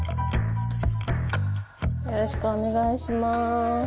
よろしくお願いします。